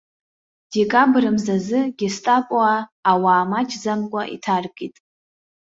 Декабр мзазы гестапоаа ауаа маҷӡамкәа иҭаркит.